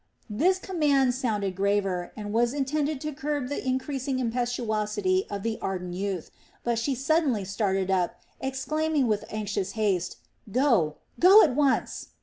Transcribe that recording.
This command sounded graver, and was intended to curb the increasing impetuosity of the ardent youth. But she suddenly started up, exclaiming with anxious haste: "Go, go, at once!"